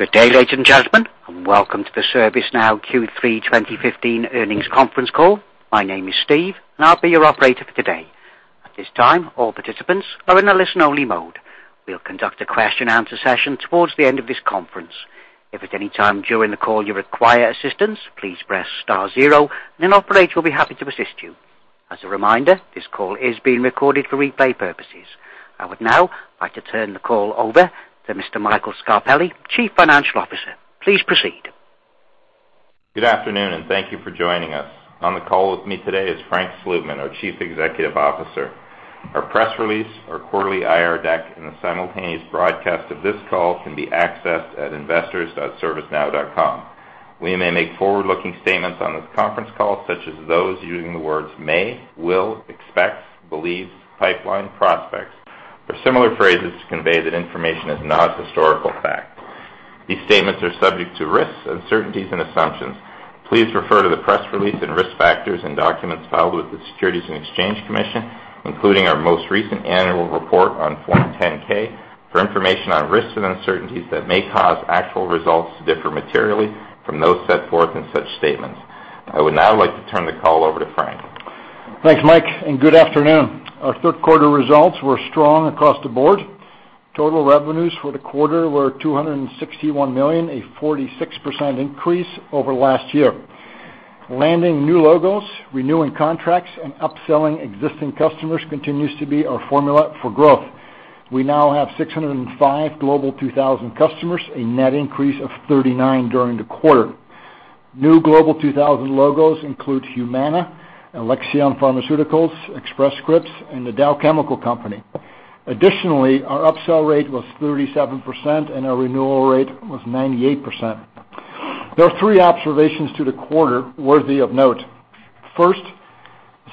Good day, ladies and gentlemen, and welcome to the ServiceNow Q3 2015 earnings conference call. My name is Steve, and I'll be your operator for today. At this time, all participants are in a listen-only mode. We'll conduct a question-and-answer session towards the end of this conference. If at any time during the call you require assistance, please press star zero, and an operator will be happy to assist you. As a reminder, this call is being recorded for replay purposes. I would now like to turn the call over to Mr. Michael Scarpelli, Chief Financial Officer. Please proceed. Good afternoon, and thank you for joining us. On the call with me today is Frank Slootman, our Chief Executive Officer. Our press release, our quarterly IR deck, and the simultaneous broadcast of this call can be accessed at investors.servicenow.com. We may make forward-looking statements on this conference call, such as those using the words may, will, expects, believes, pipeline, prospects, or similar phrases to convey that information is not historical fact. These statements are subject to risks, uncertainties, and assumptions. Please refer to the press release and risk factors in documents filed with the Securities and Exchange Commission, including our most recent annual report on Form 10-K, for information on risks and uncertainties that may cause actual results to differ materially from those set forth in such statements. I would now like to turn the call over to Frank. Thanks, Mike, and good afternoon. Our third quarter results were strong across the board. Total revenues for the quarter were $261 million, a 46% increase over last year. Landing new logos, renewing contracts, and upselling existing customers continues to be our formula for growth. We now have 605 Global 2000 customers, a net increase of 39 during the quarter. New Global 2000 logos include Humana, Alexion Pharmaceuticals, Express Scripts, and The Dow Chemical Company. Additionally, our upsell rate was 37%, and our renewal rate was 98%. There are three observations to the quarter worthy of note. First,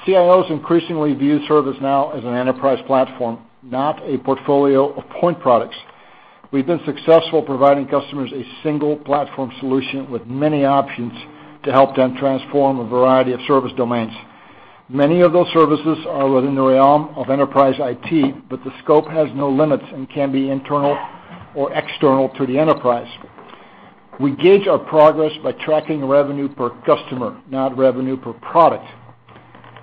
CIOs increasingly view ServiceNow as an enterprise platform, not a portfolio of point products. We've been successful providing customers a single-platform solution with many options to help them transform a variety of service domains. Many of those services are within the realm of enterprise IT, but the scope has no limits and can be internal or external to the enterprise. We gauge our progress by tracking revenue per customer, not revenue per product.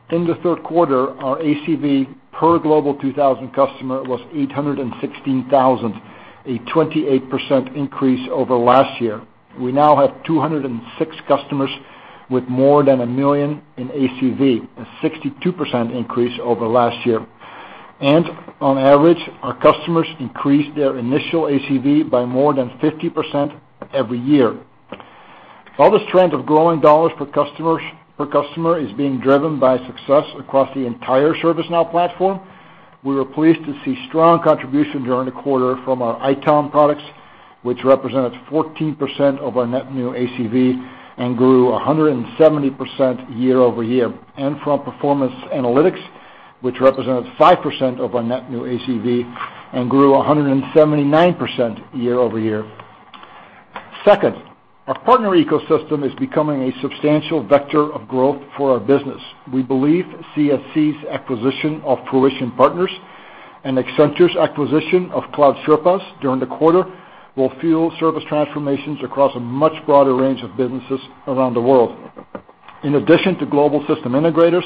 In the third quarter, our ACV per Global 2000 customer was $816,000, a 28% increase over last year. We now have 206 customers with more than $1 million in ACV, a 62% increase over last year. On average, our customers increase their initial ACV by more than 50% every year. While this trend of growing dollars per customer is being driven by success across the entire ServiceNow platform, we were pleased to see strong contribution during the quarter from our IT Operations Management products, which represented 14% of our net new ACV and grew 170% year-over-year. From Performance Analytics, which represented 5% of our net new ACV and grew 179% year-over-year. Second, our partner ecosystem is becoming a substantial vector of growth for our business. We believe CSC's acquisition of Fruition Partners and Accenture's acquisition of Cloud Sherpas during the quarter will fuel service transformations across a much broader range of businesses around the world. In addition to global system integrators,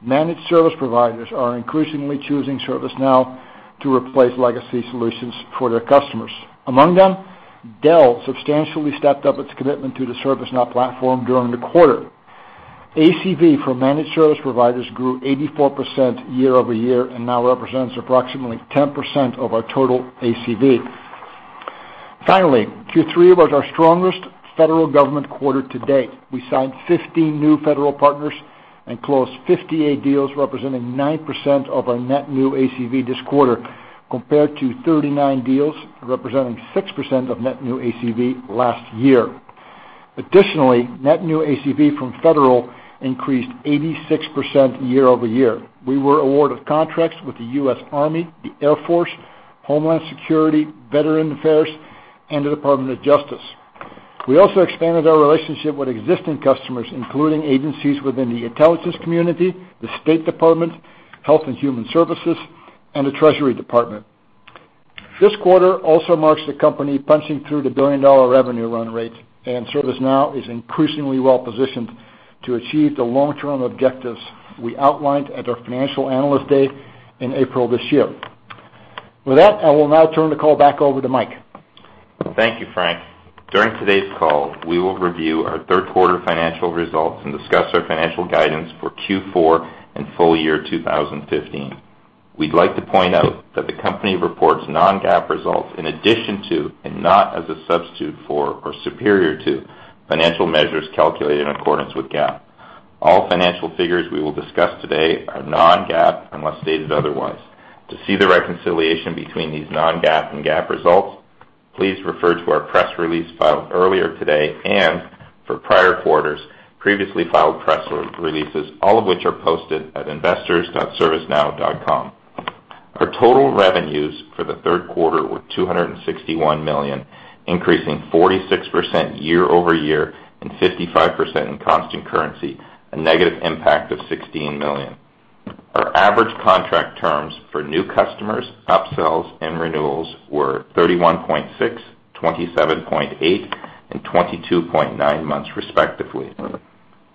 managed service providers are increasingly choosing ServiceNow to replace legacy solutions for their customers. Among them, Dell substantially stepped up its commitment to the ServiceNow platform during the quarter. ACV for managed service providers grew 84% year-over-year and now represents approximately 10% of our total ACV. Finally, Q3 was our strongest federal government quarter to date. We signed 50 new federal partners and closed 58 deals, representing 9% of our net new ACV this quarter, compared to 39 deals representing 6% of net new ACV last year. Net new ACV from federal increased 86% year-over-year. We were awarded contracts with the U.S. Army, the Air Force, Homeland Security, Veterans Affairs, and the Department of Justice. We also expanded our relationship with existing customers, including agencies within the intelligence community, the Department of State, Health and Human Services, and the Treasury Department. This quarter also marks the company punching through the billion-dollar revenue run rate, and ServiceNow is increasingly well-positioned to achieve the long-term objectives we outlined at our financial analyst day in April this year. With that, I will now turn the call back over to Mike. Thank you, Frank. During today's call, we will review our third quarter financial results and discuss our financial guidance for Q4 and full year 2015. We would like to point out that the company reports non-GAAP results in addition to, and not as a substitute for or superior to, financial measures calculated in accordance with GAAP. All financial figures we will discuss today are non-GAAP unless stated otherwise. To see the reconciliation between these non-GAAP and GAAP results, please refer to our press release filed earlier today and for prior quarters, previously filed press releases, all of which are posted at investors.servicenow.com. Our total revenues for the third quarter were $261 million, increasing 46% year-over-year and 55% in constant currency, a negative impact of $16 million. Our average contract terms for new customers, upsells, and renewals were 31.6, 27.8, and 22.9 months respectively.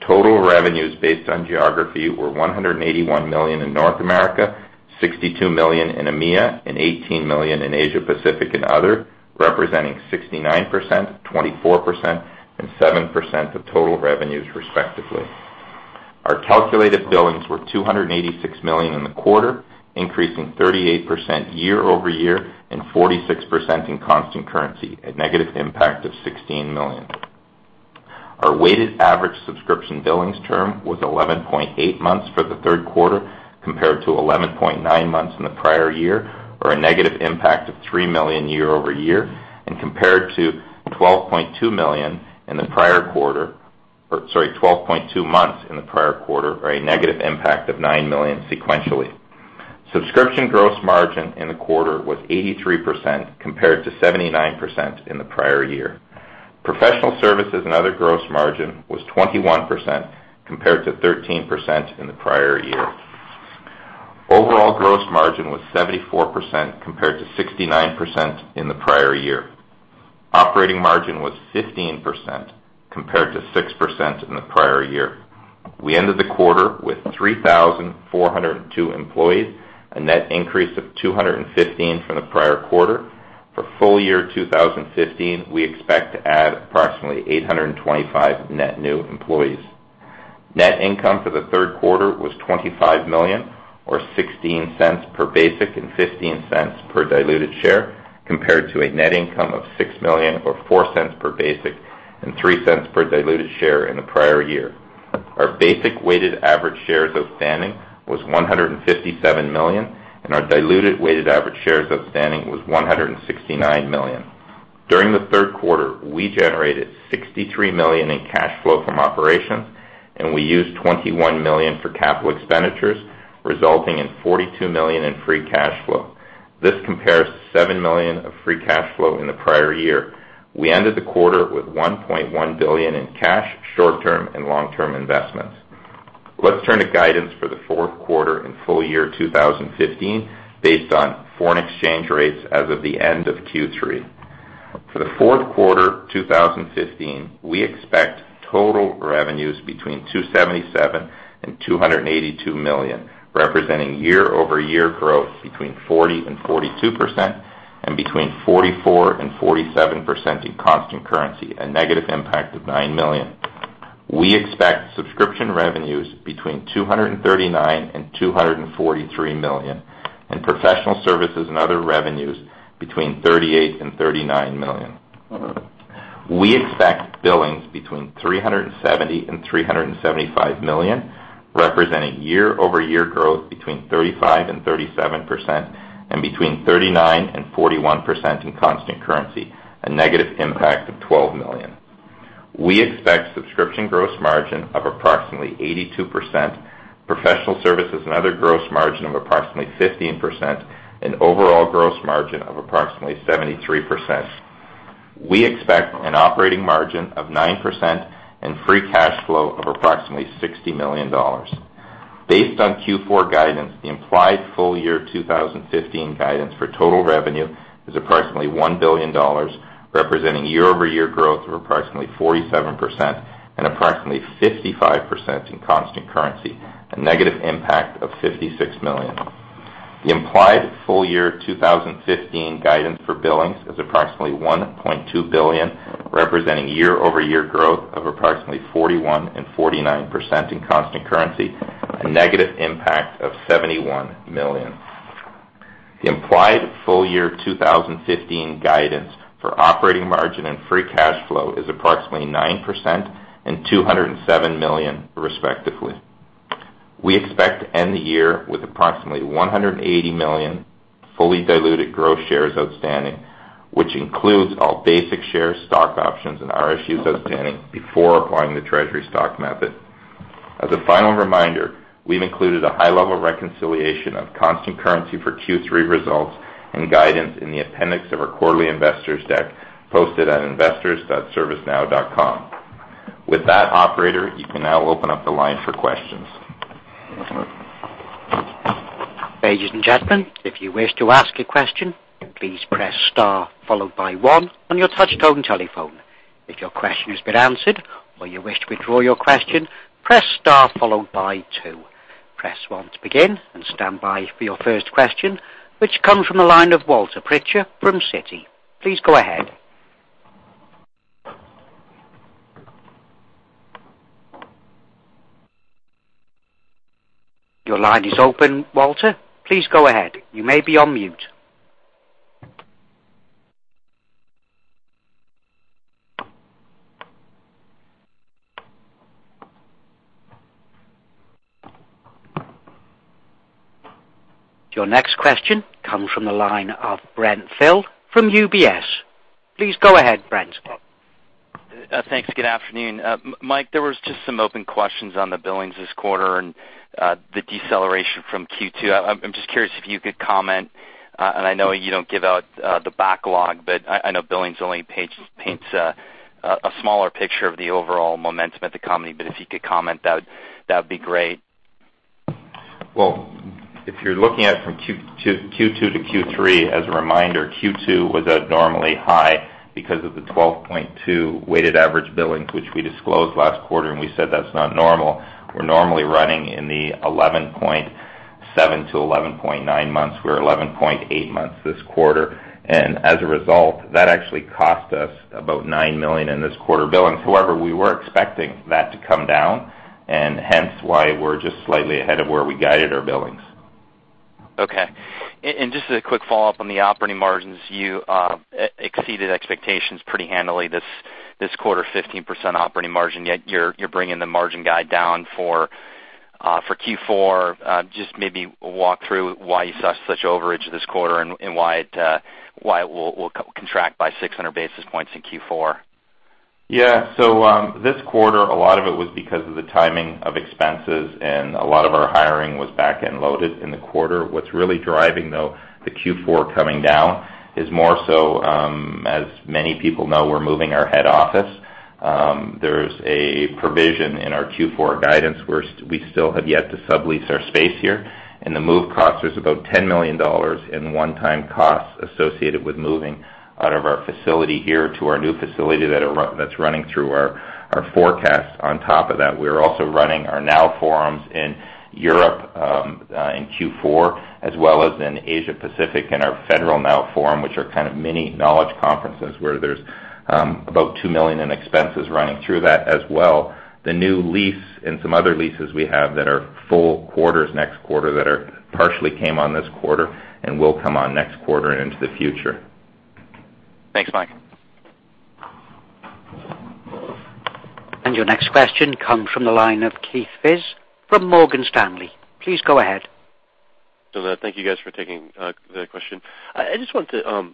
Total revenues based on geography were $181 million in North America, $62 million in EMEA, and $18 million in Asia Pacific and other, representing 69%, 24%, and 7% of total revenues respectively. Our calculated billings were $286 million in the quarter, increasing 38% year-over-year and 46% in constant currency, a negative impact of $16 million. Our weighted average subscription billings term was 11.8 months for the third quarter compared to 11.9 months in the prior year, or a negative impact of $3 million year-over-year, and compared to 12.2 months in the prior quarter, or a negative impact of $9 million sequentially. Subscription gross margin in the quarter was 83% compared to 79% in the prior year. Professional services and other gross margin was 21% compared to 13% in the prior year. Overall gross margin was 74% compared to 69% in the prior year. Operating margin was 15% compared to 6% in the prior year. We ended the quarter with 3,402 employees, a net increase of 215 from the prior quarter. For full year 2015, we expect to add approximately 825 net new employees. Net income for the third quarter was $25 million or $0.16 per basic and $0.15 per diluted share compared to a net income of $6 million or $0.04 per basic and $0.03 per diluted share in the prior year. Our basic weighted average shares outstanding was 157 million, and our diluted weighted average shares outstanding was 169 million. During the third quarter, we generated $63 million in cash flow from operations, and we used $21 million for capital expenditures, resulting in $42 million in free cash flow. This compares to $7 million of free cash flow in the prior year. We ended the quarter with $1.1 billion in cash, short-term, and long-term investments. Let's turn to guidance for the fourth quarter and full year 2015 based on foreign exchange rates as of the end of Q3. For the fourth quarter 2015, we expect total revenues between $277 million and $282 million, representing year-over-year growth between 40% and 42%, and between 44% and 47% in constant currency, a negative impact of $9 million. We expect subscription revenues between $239 million and $243 million, and professional services and other revenues between $38 million and $39 million. We expect billings between $370 million and $375 million, representing year-over-year growth between 35% and 37%, and between 39% and 41% in constant currency, a negative impact of $12 million. We expect subscription gross margin of approximately 82%, professional services and other gross margin of approximately 15%, and overall gross margin of approximately 73%. We expect an operating margin of 9% and free cash flow of approximately $60 million. Based on Q4 guidance, the implied full year 2015 guidance for total revenue is approximately $1 billion, representing year-over-year growth of approximately 47% and approximately 55% in constant currency, a negative impact of $56 million. The implied full year 2015 guidance for billings is approximately $1.2 billion, representing year-over-year growth of approximately 41% and 49% in constant currency, a negative impact of $71 million. The implied full year 2015 guidance for operating margin and free cash flow is approximately 9% and $207 million respectively. We expect to end the year with approximately 180 million fully diluted gross shares outstanding, which includes all basic share stock options and RSUs outstanding before applying the treasury stock method. As a final reminder, we've included a high-level reconciliation of constant currency for Q3 results and guidance in the appendix of our quarterly investors deck posted on investors.servicenow.com. With that, operator, you can now open up the line for questions. Ladies and gentlemen, if you wish to ask a question, please press star followed by one on your touchtone telephone. If your question has been answered or you wish to withdraw your question, press star followed by two. Press one to begin and stand by for your first question, which comes from the line of Walter Pritchard from Citi. Please go ahead. Your line is open, Walter. Please go ahead. You may be on mute. Your next question comes from the line of Brent Thill from UBS. Please go ahead, Brent. Thanks. Good afternoon. Mike, there was just some open questions on the billings this quarter and the deceleration from Q2. I'm just curious if you could comment, and I know you don't give out the backlog, but I know billings only paints a smaller picture of the overall momentum at the company, but if you could comment, that would be great. Well, if you're looking at it from Q2 to Q3, as a reminder, Q2 was abnormally high because of the 12.2 weighted average billings, which we disclosed last quarter, and we said that's not normal. We're normally running in the 11.7-11.9 months. We were 11.8 months this quarter. As a result, that actually cost us about $9 million in this quarter billings. However, we were expecting that to come down, and hence why we're just slightly ahead of where we guided our billings. Okay. Just as a quick follow-up on the operating margins, you exceeded expectations pretty handily this quarter, 15% operating margin, yet you're bringing the margin guide down for Q4. Just maybe walk through why you saw such overage this quarter and why it will contract by 600 basis points in Q4. Yeah. This quarter, a lot of it was because of the timing of expenses. A lot of our hiring was back-end loaded in the quarter. What's really driving, though, the Q4 coming down is more so, as many people know, we're moving our head office. There's a provision in our Q4 guidance where we still have yet to sublease our space here, and the move cost is about $10 million in one-time costs associated with moving out of our facility here to our new facility that's running through our forecast. On top of that, we're also running our NowForums in Europe, in Q4, as well as in Asia Pacific and our federal NowForum, which are kind of mini knowledge conferences where there's about $2 million in expenses running through that as well. The new lease and some other leases we have that are full quarters next quarter that partially came on this quarter and will come on next quarter and into the future. Thanks, Mike. Your next question comes from the line of Keith Weiss from Morgan Stanley. Please go ahead. Thank you, guys, for taking the question. I just wanted to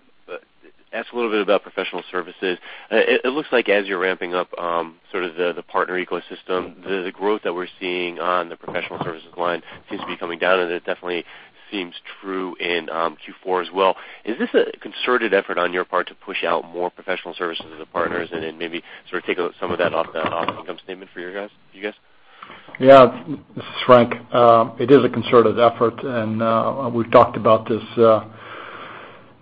ask a little bit about professional services. It looks like as you're ramping up the partner ecosystem, the growth that we're seeing on the professional services line seems to be coming down, and it definitely seems true in Q4 as well. Is this a concerted effort on your part to push out more professional services to the partners and then maybe take some of that off the income statement for you guys? Yeah. This is Frank. It is a concerted effort, we've talked about this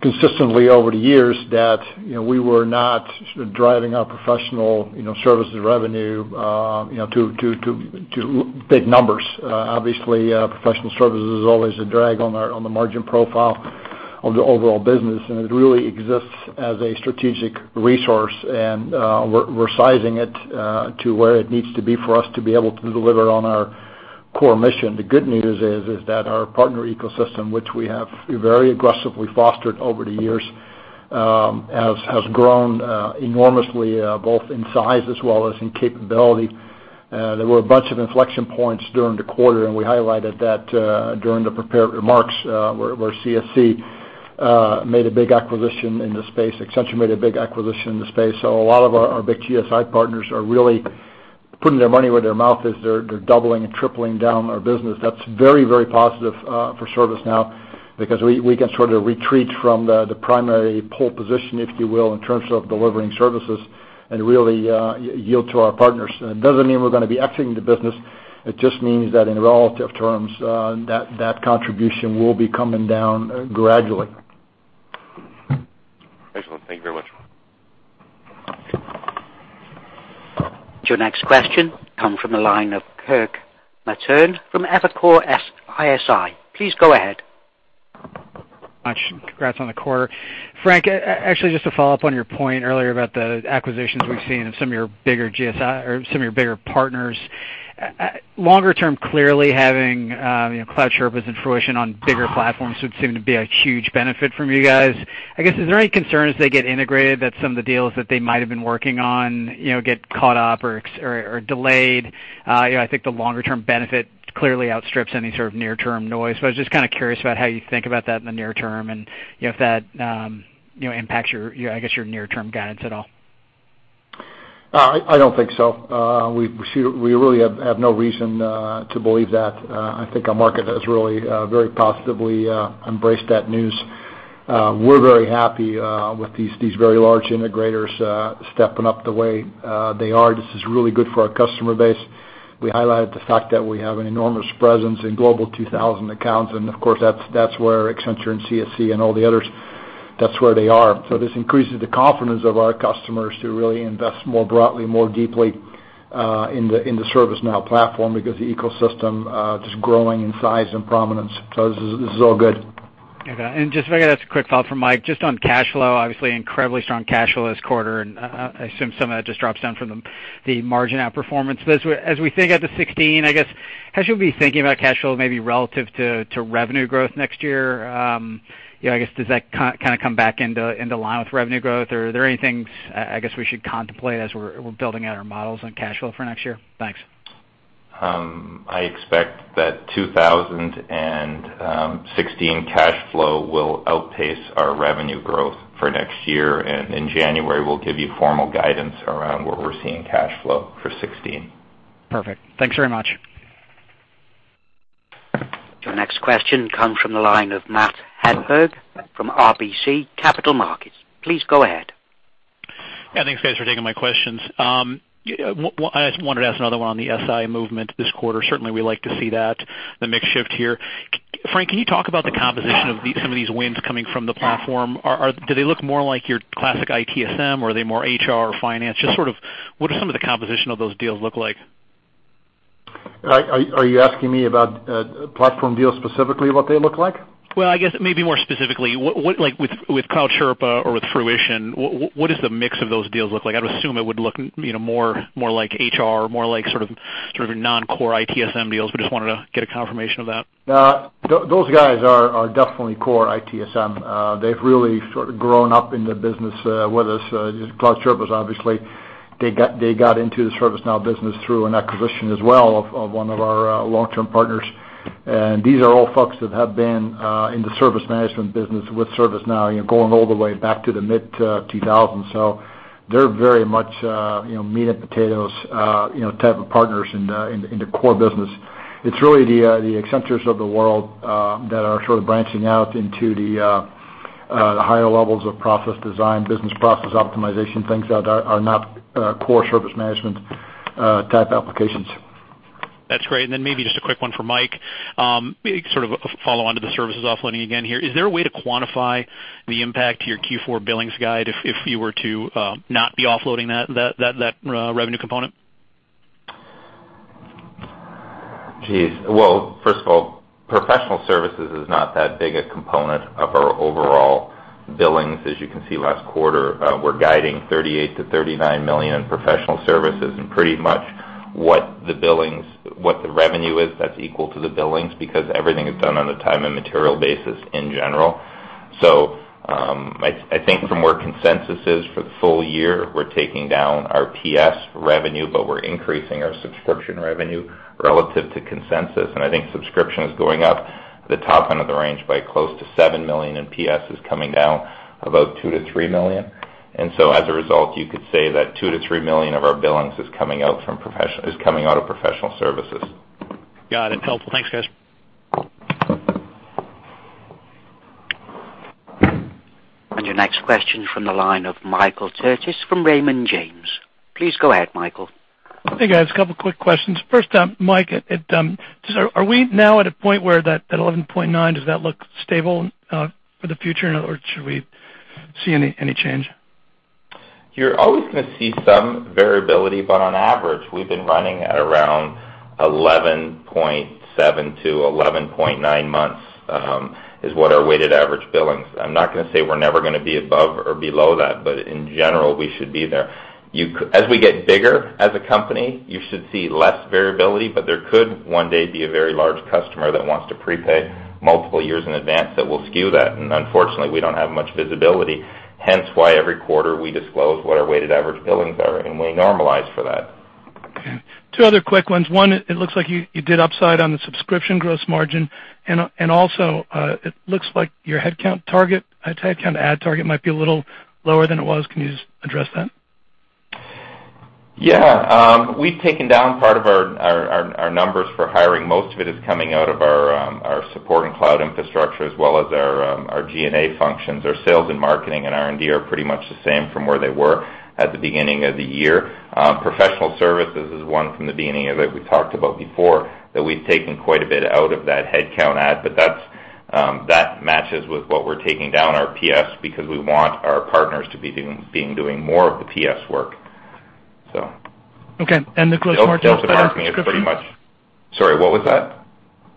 consistently over the years that we were not driving our professional services revenue to big numbers. Obviously, professional services is always a drag on the margin profile of the overall business, it really exists as a strategic resource, and we're sizing it to where it needs to be for us to be able to deliver on our core mission. The good news is that our partner ecosystem, which we have very aggressively fostered over the years, has grown enormously, both in size as well as in capability. There were a bunch of inflection points during the quarter, we highlighted that during the prepared remarks, where CSC made a big acquisition in the space. Accenture made a big acquisition in the space. A lot of our big GSI partners are really putting their money where their mouth is. They're doubling and tripling down our business. That's very positive for ServiceNow because we can sort of retreat from the primary pole position, if you will, in terms of delivering services and really yield to our partners. It doesn't mean we're going to be exiting the business. It just means that in relative terms, that contribution will be coming down gradually. Excellent. Thank you very much. Your next question comes from the line of Kirk Materne from Evercore ISI. Please go ahead. Congrats on the quarter. Frank, actually, just to follow up on your point earlier about the acquisitions we've seen in some of your bigger GSI or some of your bigger partners. Longer term, clearly having Cloud Sherpas and Fruition Partners on bigger platforms would seem to be a huge benefit from you guys. I guess, is there any concern as they get integrated that some of the deals that they might have been working on get caught up or delayed? I think the longer-term benefit clearly outstrips any sort of near-term noise, I was just kind of curious about how you think about that in the near term and if that impacts your near-term guidance at all. I don't think so. We really have no reason to believe that. I think our market has really very positively embraced that news. We're very happy with these very large integrators stepping up the way they are. This is really good for our customer base. We highlighted the fact that we have an enormous presence in Global 2000 accounts. Of course, that's where Accenture and CSC and all the others, that's where they are. This increases the confidence of our customers to really invest more broadly, more deeply in the ServiceNow platform because the ecosystem just growing in size and prominence. This is all good. Okay. Just if I could ask a quick follow-up from Mike, just on cash flow, obviously incredibly strong cash flow this quarter, I assume some of that just drops down from the margin outperformance. As we think at the 2016, I guess, how should we be thinking about cash flow maybe relative to revenue growth next year? I guess, does that kind of come back into line with revenue growth? Are there any things I guess we should contemplate as we're building out our models on cash flow for next year? Thanks. I expect that 2016 cash flow will outpace our revenue growth for next year. In January, we'll give you formal guidance around where we're seeing cash flow for 2016. Perfect. Thanks very much. Your next question comes from the line of Matt Hedberg from RBC Capital Markets. Please go ahead. Yeah. Thanks, guys, for taking my questions. I just wanted to ask another one on the SI movement this quarter. Certainly, we like to see that, the mix shift here. Frank, can you talk about the composition of some of these wins coming from the platform? Do they look more like your classic ITSM or are they more HR or finance? Just sort of, what do some of the composition of those deals look like? Are you asking me about platform deals, specifically what they look like? Well, I guess maybe more specifically, like with Cloud Sherpas or with Fruition, what does the mix of those deals look like? I'd assume it would look more like HR, more like sort of your non-core ITSM deals, but just wanted to get a confirmation of that. Those guys are definitely core ITSM. They've really sort of grown up in the business with us. Cloud Sherpas' obviously, they got into the ServiceNow business through an acquisition as well of one of our long-term partners. These are all folks that have been in the service management business with ServiceNow, going all the way back to the mid-2000s. They're very much meat and potatoes type of partners in the core business. It's really the Accentures of the world that are sort of branching out into the higher levels of process design, business process optimization, things that are not core service management type applications. That's great. Then maybe just a quick one for Mike, sort of a follow-on to the services offloading again here. Is there a way to quantify the impact to your Q4 billings guide if you were to not be offloading that revenue component? Jeez. Well, first of all, professional services is not that big a component of our overall billings. As you can see, last quarter, we're guiding $38 million-$39 million in professional services and pretty much what the revenue is, that's equal to the billings because everything is done on a time and material basis in general. I think from where consensus is for the full year, we're taking down our PS revenue, but we're increasing our subscription revenue relative to consensus. I think subscription is going up the top end of the range by close to $7 million, and PS is coming down about $2 million-$3 million. As a result, you could say that $2 million-$3 million of our billings is coming out of professional services. Got it. Helpful. Thanks, guys. Your next question from the line of Michael Turits from Raymond James. Please go ahead, Michael. Hey, guys. A couple quick questions. First up, Mike, are we now at a point where that 11.9, does that look stable for the future, or should we see any change? You're always going to see some variability. On average, we've been running at around 11.7 to 11.9 months, is what our weighted average billings. I'm not going to say we're never going to be above or below that, but in general, we should be there. As we get bigger as a company, you should see less variability, but there could one day be a very large customer that wants to prepay multiple years in advance that will skew that. Unfortunately, we don't have much visibility, hence why every quarter we disclose what our weighted average billings are, and we normalize for that. Okay. Two other quick ones. One, it looks like you did upside on the subscription gross margin, also, it looks like your headcount add target might be a little lower than it was. Can you just address that? Yeah. We've taken down part of our numbers for hiring. Most of it is coming out of our support and cloud infrastructure as well as our G&A functions. Our sales and marketing and R&D are pretty much the same from where they were at the beginning of the year. Professional services is one from the beginning of it. We talked about before that we've taken quite a bit out of that headcount add, that matches with what we're taking down our PS because we want our partners to be doing more of the PS work. Okay. The gross margin for that subscription? Sorry, what was that?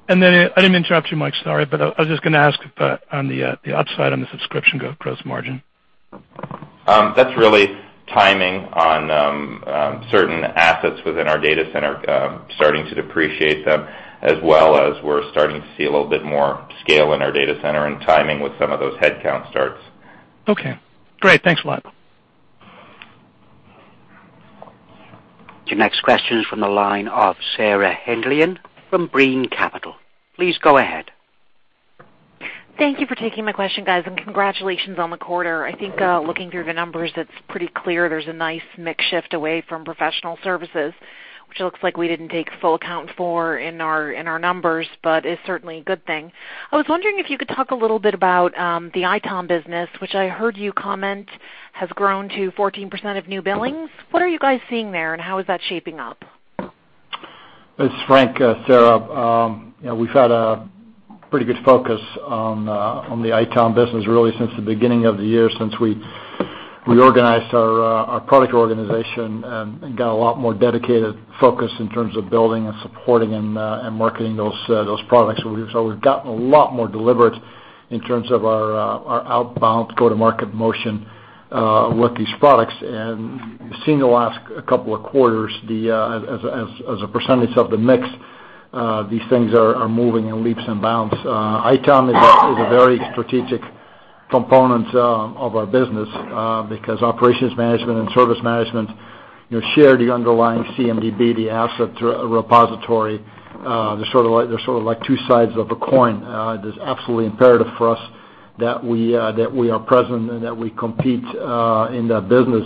I didn't mean to interrupt you, Mike, sorry, I was just going to ask on the upside on the subscription gross margin. That's really timing on certain assets within our data center, starting to depreciate them, as well as we're starting to see a little bit more scale in our data center and timing with some of those headcount starts. Okay, great. Thanks a lot. Your next question is from the line of Sarah Hindlian from Brean Capital. Please go ahead. Thank you for taking my question, guys, and congratulations on the quarter. I think looking through the numbers, it's pretty clear there's a nice mix shift away from professional services, which it looks like we didn't take full account for in our numbers, but it's certainly a good thing. I was wondering if you could talk a little bit about the ITOM business, which I heard you comment has grown to 14% of new billings. What are you guys seeing there, and how is that shaping up? It's Frank. Sarah, we've had a pretty good focus on the ITOM business really since the beginning of the year, since we organized our product organization and got a lot more dedicated focus in terms of building and supporting and marketing those products. We've gotten a lot more deliberate in terms of our outbound go-to-market motion with these products. You've seen the last couple of quarters, as a percentage of the mix, these things are moving in leaps and bounds. ITOM is a very strategic component of our business because operations management and service management share the underlying CMDB, the asset repository. They're sort of like two sides of a coin. It is absolutely imperative for us that we are present and that we compete in that business.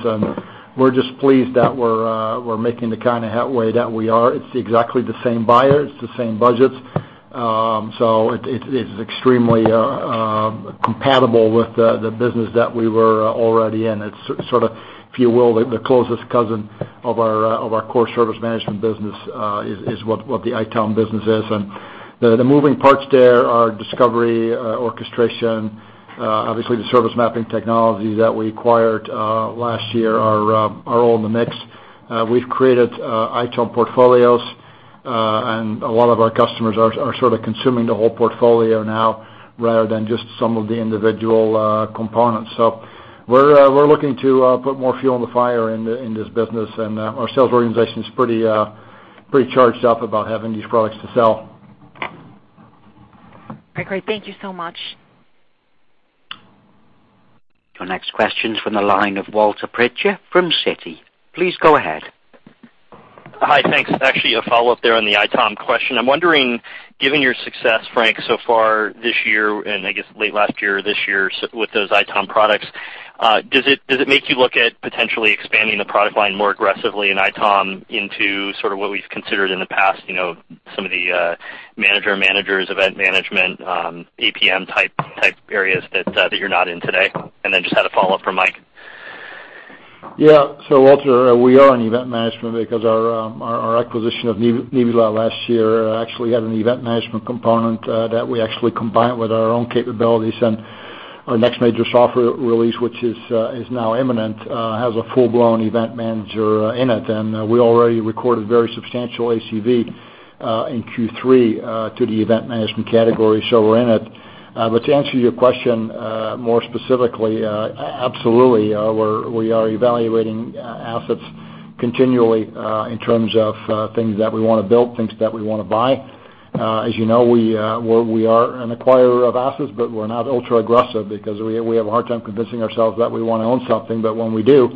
We're just pleased that we're making the kind of headway that we are. It's exactly the same buyers, the same budgets. It is extremely compatible with the business that we were already in. It's sort of, if you will, the closest cousin of our core service management business is what the ITOM business is. The moving parts there are discovery, orchestration, obviously the service mapping technology that we acquired last year are all in the mix. We've created ITOM portfolios, and a lot of our customers are sort of consuming the whole portfolio now rather than just some of the individual components. We're looking to put more fuel in the fire in this business, and our sales organization is pretty charged up about having these products to sell. Okay, great. Thank you so much. Your next question is from the line of Walter Pritchard from Citi. Please go ahead. Hi, thanks. Actually, a follow-up there on the ITOM question. I'm wondering, given your success, Frank, so far this year and I guess late last year, this year with those ITOM products, does it make you look at potentially expanding the product line more aggressively in ITOM into sort of what we've considered in the past, some of the manager of managers, event management, APM type areas that you're not in today? Then just had a follow-up for Mike. Walter, we are in event management because our acquisition of Neebula last year actually had an event management component that we actually combined with our own capabilities. Our next major software release, which is now imminent, has a full-blown event manager in it. We already recorded very substantial ACV in Q3 to the event management category. We're in it. To answer your question more specifically, absolutely, we are evaluating assets continually in terms of things that we want to build, things that we want to buy. As you know, we are an acquirer of assets, we're not ultra-aggressive because we have a hard time convincing ourselves that we want to own something. When we do,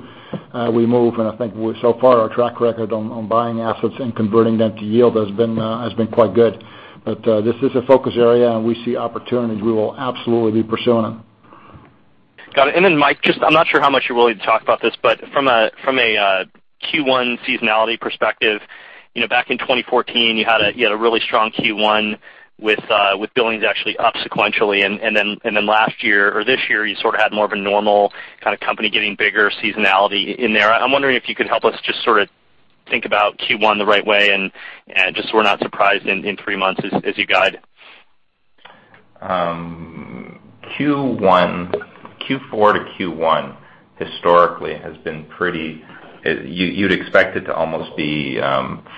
we move, and I think so far, our track record on buying assets and converting them to yield has been quite good. This is a focus area, we see opportunities. We will absolutely be pursuing them. Got it. Mike, I'm not sure how much you're willing to talk about this, but from a Q1 seasonality perspective, back in 2014, you had a really strong Q1 with billings actually up sequentially. Last year or this year, you sort of had more of a normal kind of company getting bigger seasonality in there. I'm wondering if you could help us just sort of think about Q1 the right way and just so we're not surprised in three months as you guide. Q4 to Q1 historically has been pretty. You'd expect it to almost be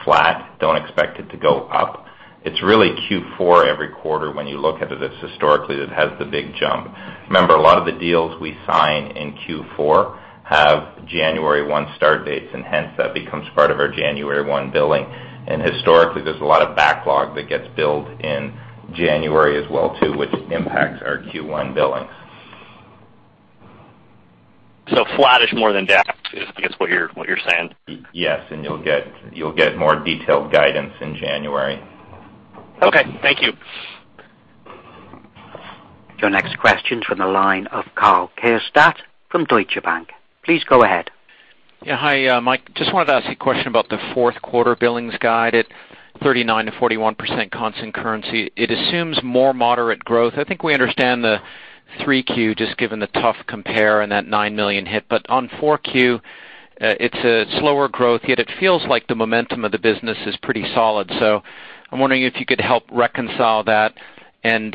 flat. Don't expect it to go up. It's really Q4 every quarter when you look at it historically that has the big jump. Remember, a lot of the deals we sign in Q4 have January 1 start dates, hence that becomes part of our January 1 billing. Historically, there's a lot of backlog that gets billed in January as well too, which impacts our Q1 billings. Flattish more than down, I guess, is what you're saying. Yes, you'll get more detailed guidance in January. Okay, thank you. Your next question is from the line of Karl Keirstad from Deutsche Bank. Please go ahead. Hi, Mike. Just wanted to ask a question about the fourth quarter billings guide at 39%-41% constant currency. It assumes more moderate growth. I think we understand the Q3 just given the tough compare and that $9 million hit. On 4Q, it's a slower growth, yet it feels like the momentum of the business is pretty solid. I'm wondering if you could help reconcile that and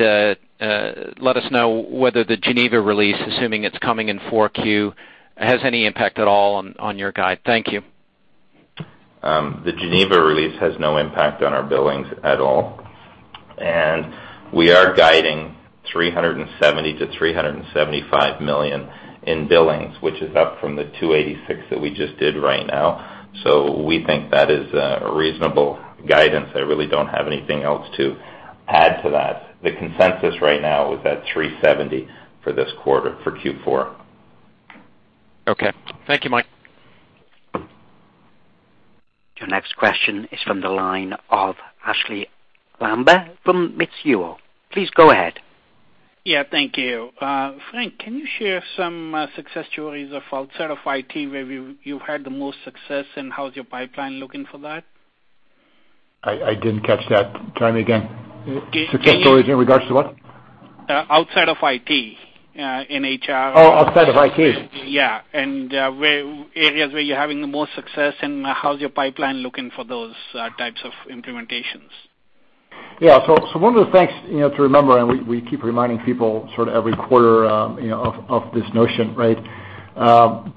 let us know whether the Geneva release, assuming it's coming in 4Q, has any impact at all on your guide. Thank you. The Geneva release has no impact on our billings at all. We are guiding $370 million-$375 million in billings, which is up from the $286 million that we just did right now. We think that is a reasonable guidance. I really don't have anything else to add to that. The consensus right now is at $370 million for this quarter for Q4. Okay. Thank you, Mike. Your next question is from the line of Abhey Lamba from Mizuho. Please go ahead. Yeah, thank you. Frank, can you share some success stories outside of IT where you've had the most success, and how's your pipeline looking for that? I didn't catch that. Try me again. Success stories in regards to what? Outside of IT, in HR. Oh, outside of IT. Yeah. Areas where you're having the most success and how's your pipeline looking for those types of implementations? Yeah. One of the things to remember, and we keep reminding people sort of every quarter of this notion, right?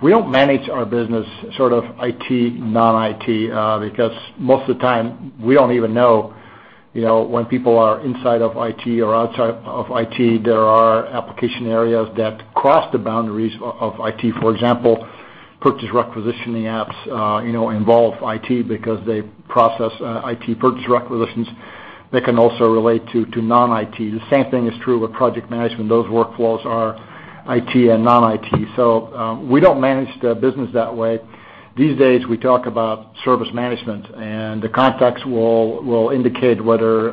We don't manage our business sort of IT, non-IT, because most of the time we don't even know when people are inside of IT or outside of IT. There are application areas that cross the boundaries of IT. For example, purchase requisitioning apps involve IT because they process IT purchase requisitions that can also relate to non-IT. The same thing is true with project management. Those workflows are IT and non-IT. We don't manage the business that way. These days we talk about service management, and the context will indicate whether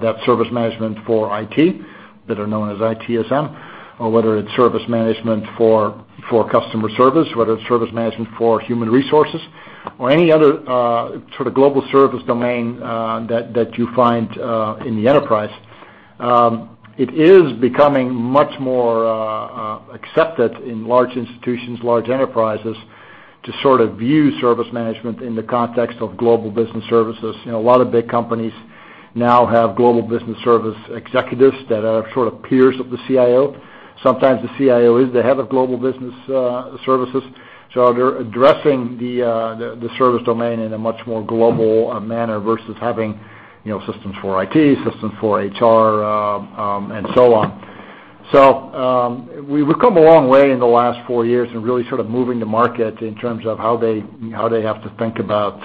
that's service management for IT, that are known as ITSM, or whether it's service management for customer service, whether it's service management for human resources. Any other sort of global service domain that you find in the enterprise. It is becoming much more accepted in large institutions, large enterprises, to sort of view service management in the context of global business services. A lot of big companies now have global business service executives that are sort of peers of the CIO. Sometimes the CIO is the head of global business services. They're addressing the service domain in a much more global manner versus having systems for IT, systems for HR, and so on. We've come a long way in the last 4 years in really sort of moving the market in terms of how they have to think about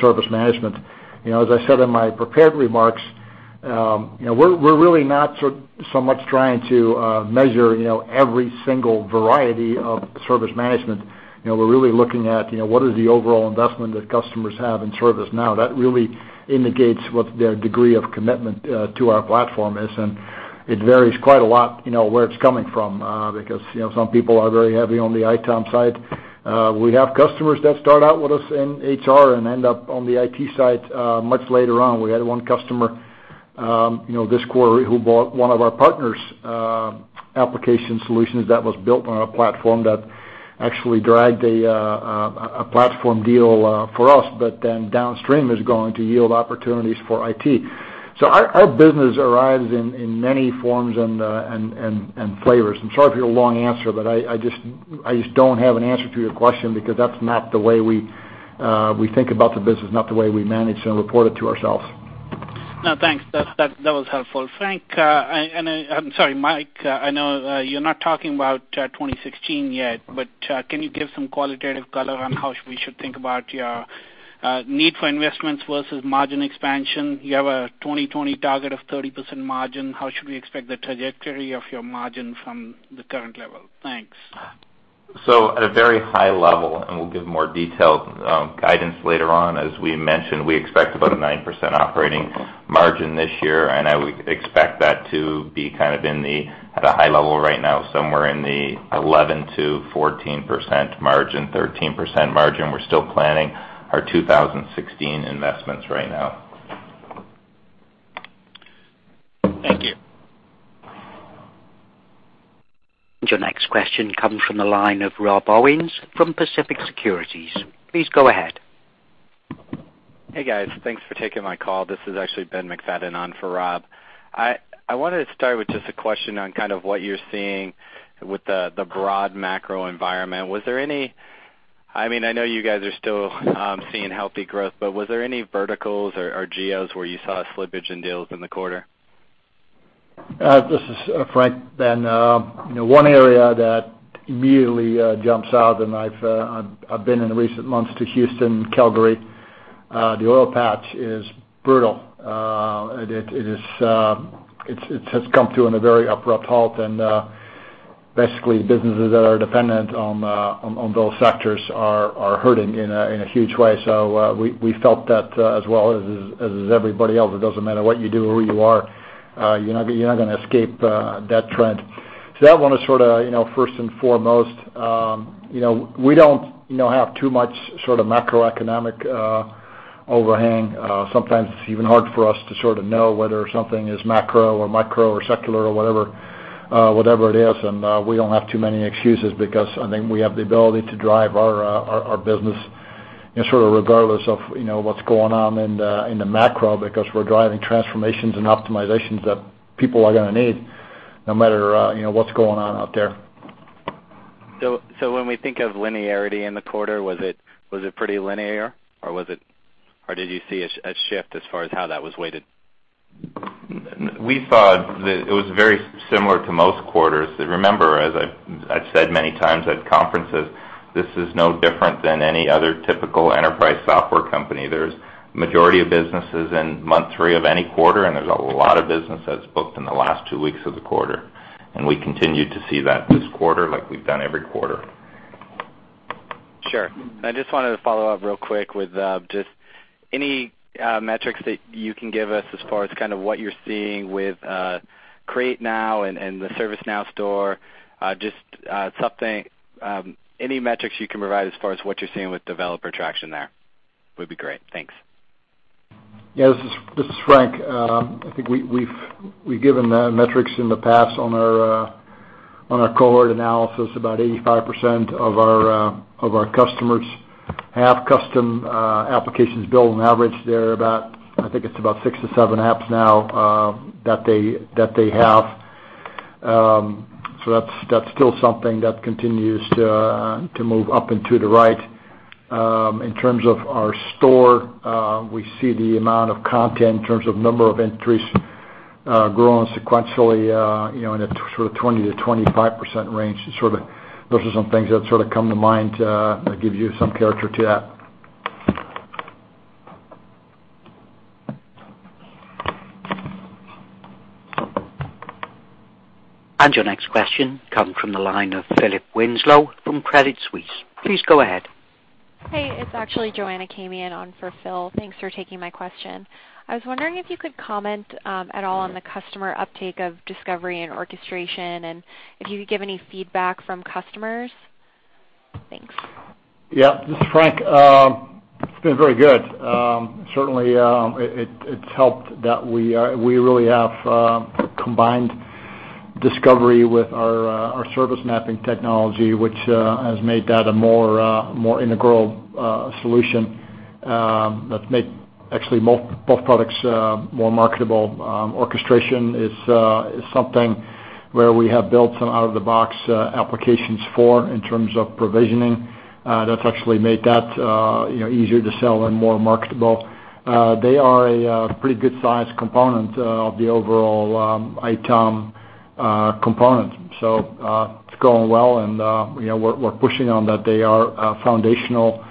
service management. As I said in my prepared remarks, we're really not so much trying to measure every single variety of service management. We're really looking at what is the overall investment that customers have in ServiceNow. That really indicates what their degree of commitment to our platform is, and it varies quite a lot where it's coming from, because some people are very heavy on the ITOM side. We have customers that start out with us in HR and end up on the IT side much later on. We had one customer this quarter who bought one of our partners' application solutions that was built on a platform that actually dragged a platform deal for us, but then downstream is going to yield opportunities for IT. Our business arrives in many forms and flavors. I'm sorry for your long answer, but I just don't have an answer to your question because that's not the way we think about the business, not the way we manage and report it to ourselves. No, thanks. That was helpful. Frank, and I'm sorry, Mike, I know you're not talking about 2016 yet, but can you give some qualitative color on how we should think about your need for investments versus margin expansion? You have a 2020 target of 30% margin. How should we expect the trajectory of your margin from the current level? Thanks. At a very high level, and we'll give more detailed guidance later on, as we mentioned, we expect about a 9% operating margin this year, and I would expect that to be kind of at a high level right now, somewhere in the 11%-14% margin, 13% margin. We're still planning our 2016 investments right now. Thank you. Your next question comes from the line of Rob Owens from Pacific Securities. Please go ahead. Hey, guys. Thanks for taking my call. This is actually Ben McFadden on for Rob. I wanted to start with just a question on kind of what you're seeing with the broad macro environment. I know you guys are still seeing healthy growth, was there any verticals or geos where you saw slippage in deals in the quarter? This is Frank. Ben, one area that immediately jumps out. I've been in recent months to Houston, Calgary, the oil patch is brutal. It has come to a very abrupt halt. Basically businesses that are dependent on those sectors are hurting in a huge way. We felt that as well as everybody else. It doesn't matter what you do or who you are, you're not going to escape that trend. That one is sort of first and foremost. We don't have too much sort of macroeconomic overhang. Sometimes it's even hard for us to sort of know whether something is macro or micro or secular or whatever it is. We don't have too many excuses because I think we have the ability to drive our business sort of regardless of what's going on in the macro, because we're driving transformations and optimizations that people are going to need no matter what's going on out there. When we think of linearity in the quarter, was it pretty linear, or did you see a shift as far as how that was weighted? We thought that it was very similar to most quarters. Remember, as I've said many times at conferences, this is no different than any other typical enterprise software company. There's majority of businesses in month three of any quarter. There's a lot of business that's booked in the last two weeks of the quarter. We continued to see that this quarter like we've done every quarter. Sure. I just wanted to follow up real quick with just any metrics that you can give us as far as kind of what you're seeing with CreateNow and the ServiceNow Store, just any metrics you can provide as far as what you're seeing with developer traction there would be great. Thanks. Yeah. This is Frank. I think we've given the metrics in the past on our cohort analysis. About 85% of our customers have custom applications built on average there about, I think it's about six to seven apps now that they have. That's still something that continues to move up and to the right. In terms of our store, we see the amount of content in terms of number of entries growing sequentially in a sort of 20% to 25% range. Those are some things that sort of come to mind that give you some character to that. Your next question comes from the line of Philip Winslow from Credit Suisse. Please go ahead. Hey, it's actually Joanna Kamien on for Phil. Thanks for taking my question. I was wondering if you could comment at all on the customer uptake of discovery and orchestration, and if you could give any feedback from customers? Thanks. Yeah. This is Frank. It's been very good. Certainly, it's helped that we really have combined discovery with our service mapping technology, which has made that a more integral solution that's made both products more marketable. Orchestration is something where we have built some out-of-the-box applications for in terms of provisioning. That's actually made that easier to sell and more marketable. They are a pretty good-sized component of the overall ITOM component. It's going well and we're pushing on that. They are foundational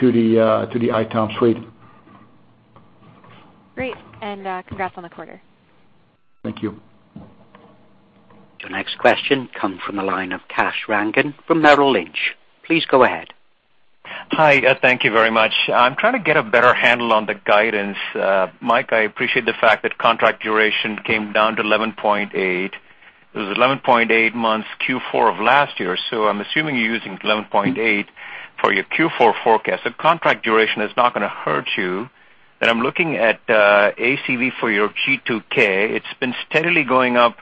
to the ITOM suite. Great, congrats on the quarter. Thank you. Your next question comes from the line of Kash Rangan from Merrill Lynch. Please go ahead. Hi. Thank you very much. I'm trying to get a better handle on the guidance. Mike, I appreciate the fact that contract duration came down to 11.8. It was 11.8 months Q4 of last year, I'm assuming you're using 11.8 for your Q4 forecast. Contract duration is not going to hurt you. I'm looking at ACV for your G2K. It's been steadily going up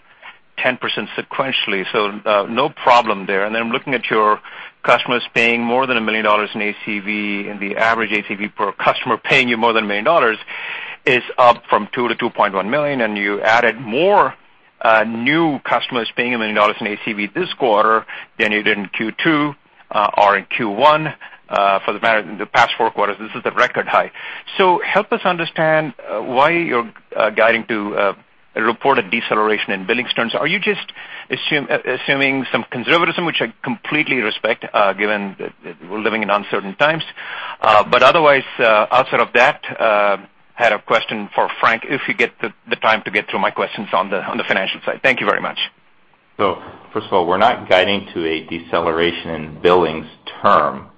10% sequentially, so no problem there. I'm looking at your customers paying more than $1 million in ACV, and the average ACV per customer paying you more than $1 million is up from two to $2.1 million, and you added more new customers paying $1 million in ACV this quarter than you did in Q2 or in Q1. For the past four quarters, this is the record high. Help us understand why you're guiding to a reported deceleration in billings terms. Are you just assuming some conservatism? Which I completely respect, given that we're living in uncertain times. Otherwise, outside of that, I had a question for Frank if you get the time to get to my questions on the financial side. Thank you very much. First of all, we're not guiding to a deceleration in billings term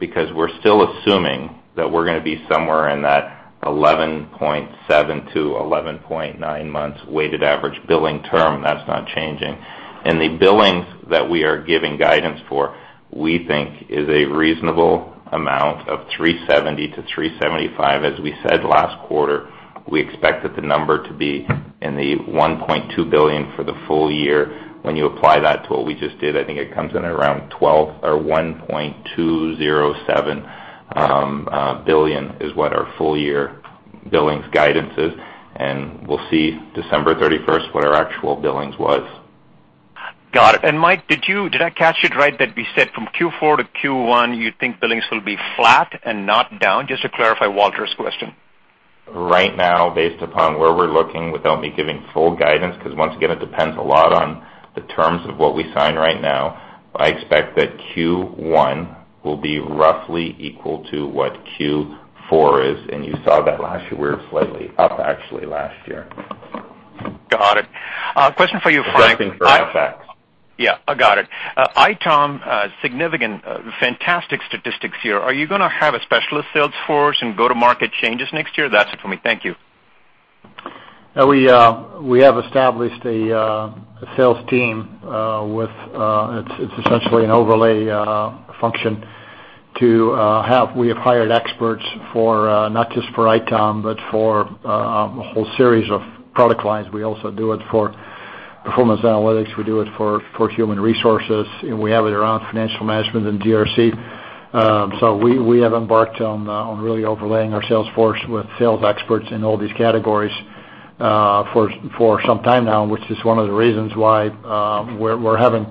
because we're still assuming that we're going to be somewhere in that 11.7-11.9 months weighted average billing term. That's not changing. The billings that we are giving guidance for, we think is a reasonable amount of $370-$375. As we said last quarter, we expected the number to be in the $1.2 billion for the full year. When you apply that to what we just did, I think it comes in around $12 or $1.207 billion is what our full year billings guidance is. We'll see December 31st what our actual billings was. Got it. Mike, did I catch it right that we said from Q4 to Q1, you think billings will be flat and not down? Just to clarify Walter's question. Right now, based upon where we're looking, without me giving full guidance, because once again, it depends a lot on the terms of what we sign right now. I expect that Q1 will be roughly equal to what Q4 is, and you saw that last year. We were slightly up actually last year. Got it. A question for you, Frank. Adjusting for FX. Yeah, I got it. ITOM, significant, fantastic statistics here. Are you going to have a specialist sales force and go-to-market changes next year? That's for me. Thank you. We have established a sales team. It's essentially an overlay function to have. We have hired experts not just for ITOM, but for a whole series of product lines. We also do it for Performance Analytics. We do it for human resources. We have it around financial management and GRC. We have embarked on really overlaying our sales force with sales experts in all these categories for some time now, which is one of the reasons why we're having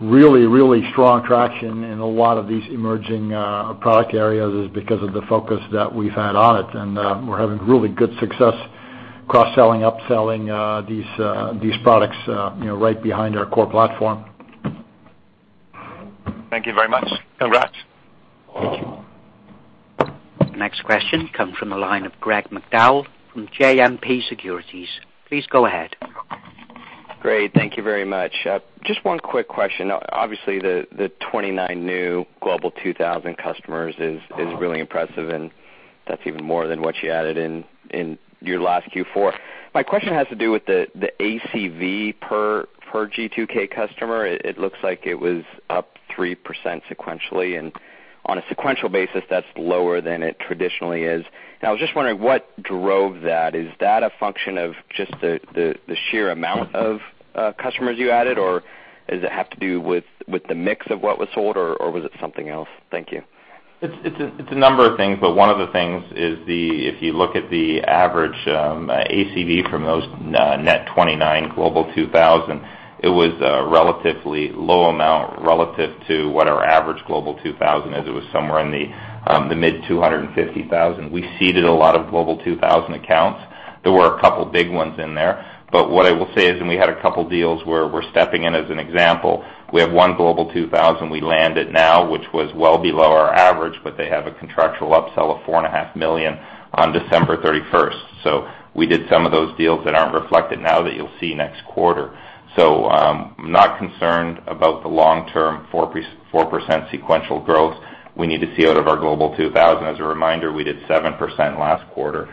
really, really strong traction in a lot of these emerging product areas is because of the focus that we've had on it. We're having really good success cross-selling, upselling these products right behind our core platform. Thank you very much. Congrats. Thank you. The next question comes from the line of Greg McDowell from JMP Securities. Please go ahead. Great. Thank you very much. Just one quick question. Obviously, the 29 new Global 2000 customers is really impressive, and that's even more than what you added in your last Q4. My question has to do with the ACV per G2K customer. It looks like it was up 3% sequentially, and on a sequential basis, that's lower than it traditionally is. I was just wondering what drove that. Is that a function of just the sheer amount of customers you added, or does it have to do with the mix of what was sold, or was it something else? Thank you. It's a number of things, but one of the things is if you look at the average ACV from those net 29 Global 2000, it was a relatively low amount relative to what our average Global 2000 is. It was somewhere in the mid $250,000. We seeded a lot of Global 2000 accounts. There were a couple big ones in there. What I will say is, and we had a couple deals where we're stepping in as an example. We have one Global 2000 we landed now, which was well below our average, but they have a contractual upsell of $4.5 million on December 31st. We did some of those deals that aren't reflected now that you'll see next quarter. I'm not concerned about the long-term 4% sequential growth we need to see out of our Global 2000. As a reminder, we did 7% last quarter.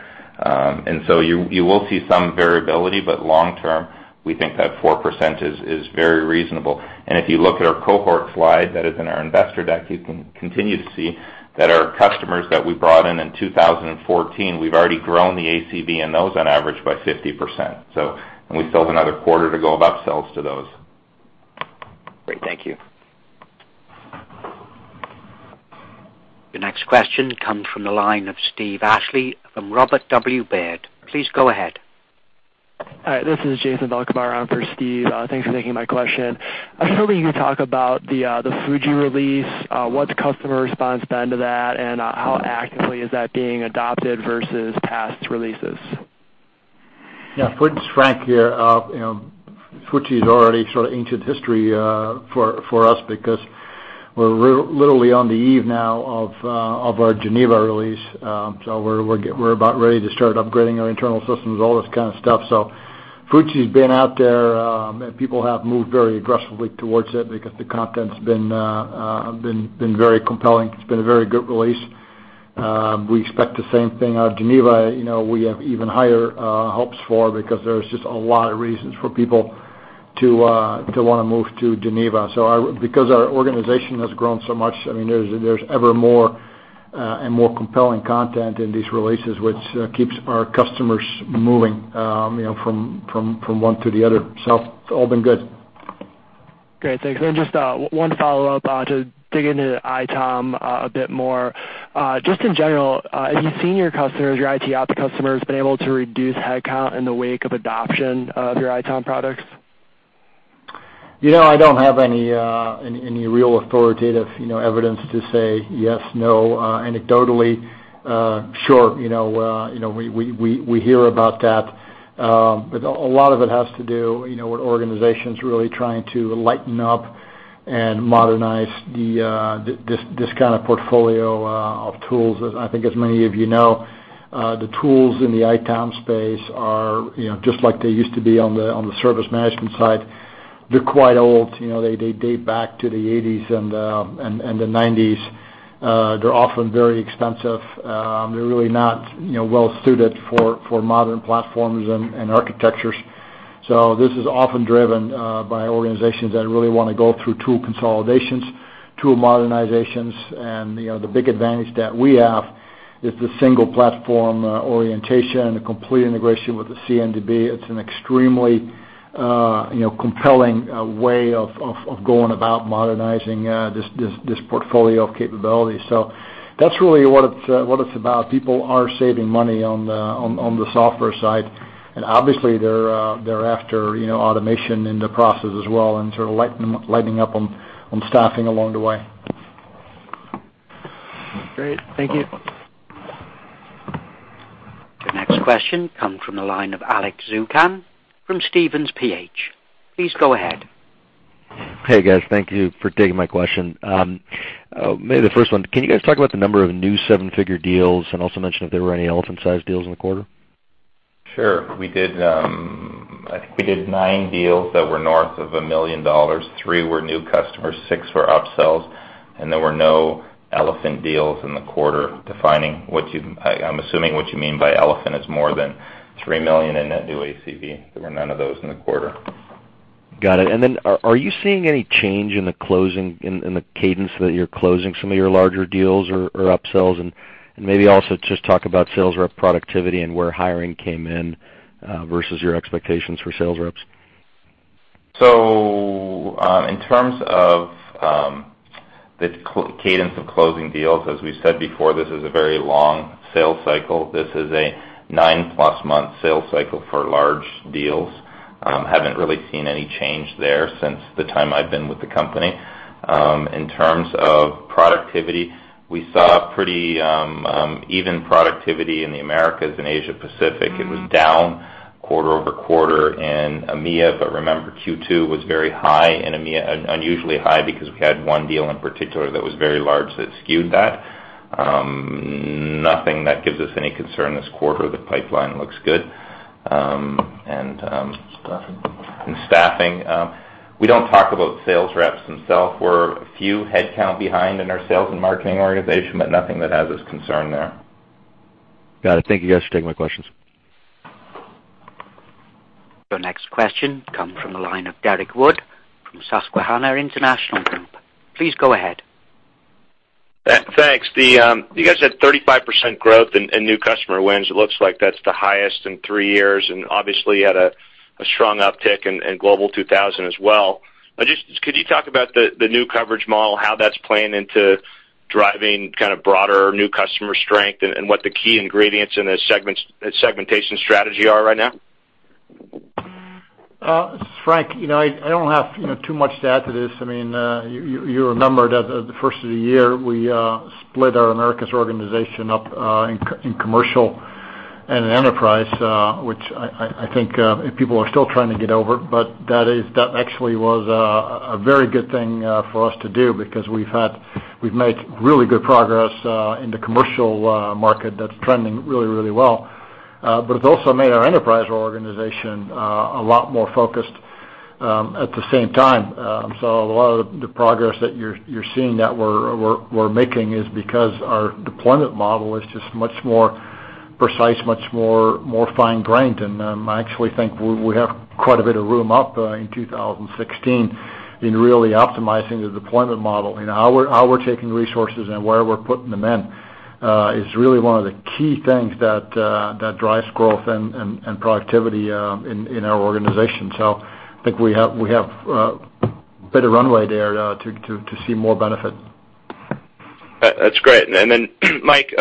You will see some variability, but long term, we think that 4% is very reasonable. If you look at our cohort slide that is in our investor deck, you can continue to see that our customers that we brought in in 2014, we've already grown the ACV in those on average by 50%. We still have another quarter to go of upsells to those. Great. Thank you. Your next question comes from the line of Steven Ashley from Robert W. Baird. Please go ahead. Hi, this is Jason Velkavrh on for Steve. Thanks for taking my question. I was hoping you could talk about the Fuji release. What's customer response been to that, and how actively is that being adopted versus past releases? Yeah. Frank here. Fuji is already ancient history for us because we're literally on the eve now of our Geneva release. We're about ready to start upgrading our internal systems, all this kind of stuff. Fuji's been out there, and people have moved very aggressively towards it because the content's been very compelling. It's been a very good release. We expect the same thing out of Geneva. We have even higher hopes for it because there's just a lot of reasons for people to want to move to Geneva. Because our organization has grown so much, there's ever more and more compelling content in these releases, which keeps our customers moving from one to the other. It's all been good. Great. Thanks. Then just one follow-up to dig into ITOM a bit more. Just in general, have you seen your customers, your IT Ops customers, been able to reduce headcount in the wake of adoption of your ITOM products? I don't have any real authoritative evidence to say yes, no. Anecdotally, sure, we hear about that. A lot of it has to do with organizations really trying to lighten up and modernize this kind of portfolio of tools. I think as many of you know, the tools in the ITOM space are just like they used to be on the service management side. They're quite old. They date back to the '80s and the '90s. They're often very expensive. They're really not well-suited for modern platforms and architectures. This is often driven by organizations that really want to go through tool consolidations, tool modernizations, and the big advantage that we have is the single platform orientation, the complete integration with the CMDB. It's an extremely compelling way of going about modernizing this portfolio of capabilities. That's really what it's about. People are saving money on the software side. Obviously they're after automation in the process as well and sort of lightening up on staffing along the way. Great. Thank you. The next question comes from the line of Alex Zukin from Stephens Inc. Please go ahead. Hey, guys. Thank you for taking my question. Maybe the first one, can you guys talk about the number of new seven-figure deals and also mention if there were any elephant-sized deals in the quarter? Sure. I think we did nine deals that were north of $1 million. Three were new customers, six were upsells, and there were no elephant deals in the quarter. I'm assuming what you mean by elephant is more than $3 million in net new ACV. There were none of those in the quarter. Got it. Are you seeing any change in the cadence that you're closing some of your larger deals or upsells? Maybe also just talk about sales rep productivity and where hiring came in versus your expectations for sales reps. In terms of the cadence of closing deals, as we've said before, this is a very long sales cycle. This is a nine-plus month sales cycle for large deals. Haven't really seen any change there since the time I've been with the company. In terms of productivity, we saw pretty even productivity in the Americas and Asia Pacific. It was down quarter-over-quarter in EMEA, remember, Q2 was very high in EMEA, unusually high because we had one deal in particular that was very large that skewed that. Nothing that gives us any concern this quarter. The pipeline looks good. Staffing. Staffing. We don't talk about sales reps themselves. We're a few headcount behind in our sales and marketing organization, nothing that has us concerned there. Got it. Thank you guys for taking my questions. Your next question comes from the line of Derrick Wood from Susquehanna International Group. Please go ahead. Thanks. You guys had 35% growth in new customer wins. It looks like that's the highest in three years. Obviously you had a strong uptick in Global 2000 as well. Could you talk about the new coverage model, how that's playing into driving broader new customer strength and what the key ingredients in the segmentation strategy are right now? Frank, I don't have too much to add to this. You remember that at the first of the year, we split our Americas organization up in commercial and enterprise, which I think people are still trying to get over. That actually was a very good thing for us to do because we've made really good progress in the commercial market that's trending really well. It's also made our enterprise organization a lot more focused at the same time. A lot of the progress that you're seeing that we're making is because our deployment model is just much more precise, much more fine-grained. I actually think we have quite a bit of room up in 2016 in really optimizing the deployment model, in how we're taking resources and where we're putting them in. Is really one of the key things that drives growth and productivity in our organization. I think we have a bit of runway there to see more benefit. That's great. Mike,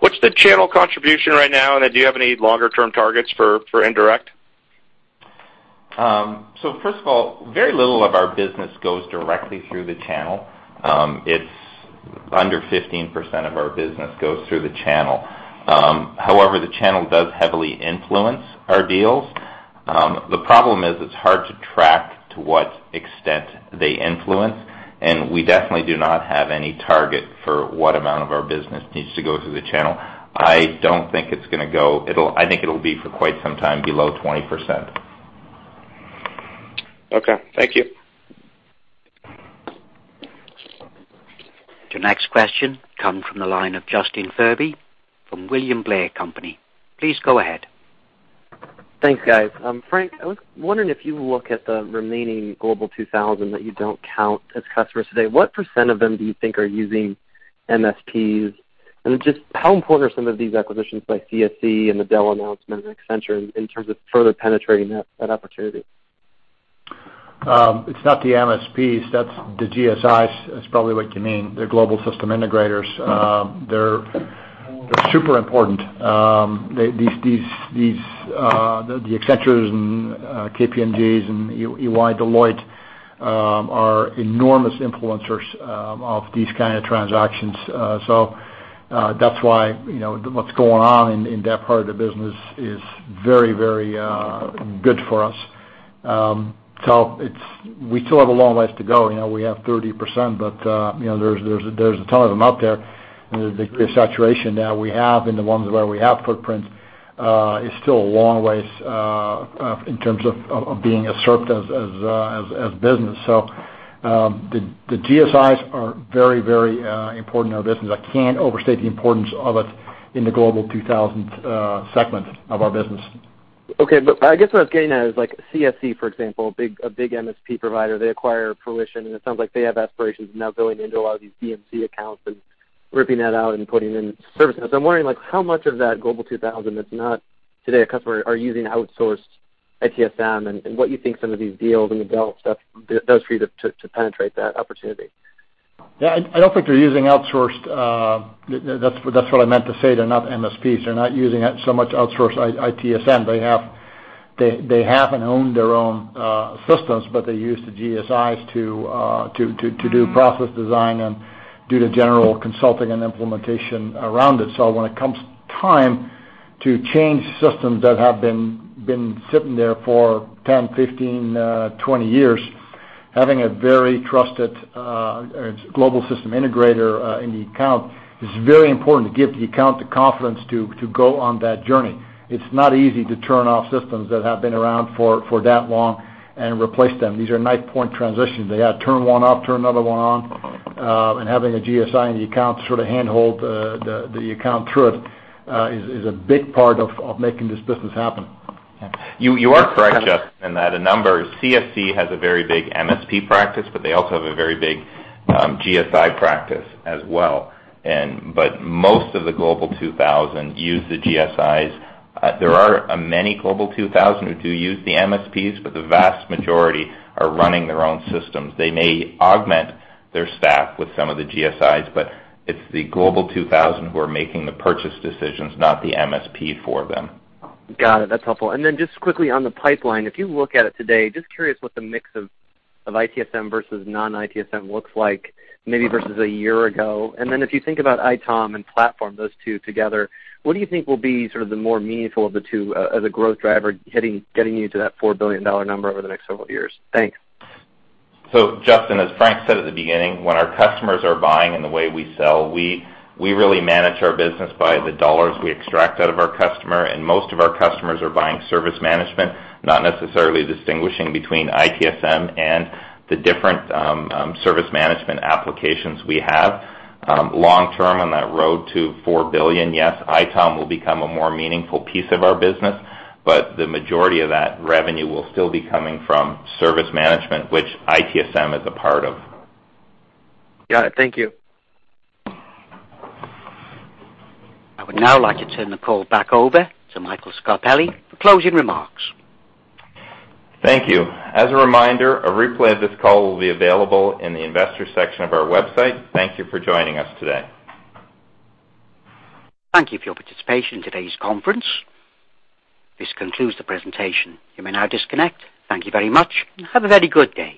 what's the channel contribution right now, and then do you have any longer-term targets for indirect? First of all, very little of our business goes directly through the channel. It's under 15% of our business goes through the channel. However, the channel does heavily influence our deals. The problem is it's hard to track to what extent they influence, and we definitely do not have any target for what amount of our business needs to go through the channel. I think it'll be for quite some time below 20%. Okay, thank you. Your next question comes from the line of Justin Furby from William Blair & Company. Please go ahead. Thanks, guys. Frank, I was wondering if you look at the remaining Global 2000 that you don't count as customers today, what% of them do you think are using MSPs? Just how important are some of these acquisitions by CSC and the Dell announcement and Accenture in terms of further penetrating that opportunity? It's not the MSPs, that's the GSIs is probably what you mean, the global system integrators. They're super important. The Accentures and KPMGs and EY, Deloitte are enormous influencers of these kind of transactions. That's why what's going on in that part of the business is very good for us. We still have a long ways to go. We have 30%, but there's a ton of them out there, and the degree of saturation that we have in the ones where we have footprints is still a long way in terms of being as served as business. The GSIs are very important to our business. I can't overstate the importance of it in the Global 2000 segment of our business. Okay. I guess what I was getting at is like CSC, for example, a big MSP provider, they acquire Fruition, and it sounds like they have aspirations of now going into a lot of these BMC accounts and ripping that out and putting in services. I'm wondering, like, how much of that Global 2000 that's not today a customer are using outsourced ITSM and what you think some of these deals and the Dell stuff does for you to penetrate that opportunity. That's what I meant to say, they're not MSPs. They're not using so much outsourced ITSM. They have and own their own systems, but they use the GSIs to do process design and do the general consulting and implementation around it. When it comes time to change systems that have been sitting there for 10, 15, 20 years, having a very trusted global system integrator in the account is very important to give the account the confidence to go on that journey. It's not easy to turn off systems that have been around for that long and replace them. These are knife-point transitions. They turn one off, turn another one on, and having a GSI in the account to sort of handhold the account through it is a big part of making this business happen. You are correct, Justin, in that CSC has a very big MSP practice, but they also have a very big GSI practice as well. Most of the Global 2000 use the GSIs. There are many Global 2000 who do use the MSPs, but the vast majority are running their own systems. They may augment their staff with some of the GSIs, but it's the Global 2000 who are making the purchase decisions, not the MSP for them. Got it. That's helpful. Just quickly on the pipeline, if you look at it today, just curious what the mix of ITSM versus non-ITSM looks like maybe versus a year ago. If you think about ITOM and platform, those two together, what do you think will be sort of the more meaningful of the two as a growth driver getting you to that $4 billion number over the next several years? Thanks. Justin, as Frank said at the beginning, when our customers are buying and the way we sell, we really manage our business by the dollars we extract out of our customer, and most of our customers are buying service management, not necessarily distinguishing between ITSM and the different service management applications we have. Long-term, on that road to $4 billion, yes, ITOM will become a more meaningful piece of our business, but the majority of that revenue will still be coming from service management, which ITSM is a part of. Got it. Thank you. I would now like to turn the call back over to Michael Scarpelli for closing remarks. Thank you. As a reminder, a replay of this call will be available in the Investors section of our website. Thank you for joining us today. Thank you for your participation in today's conference. This concludes the presentation. You may now disconnect. Thank you very much, and have a very good day.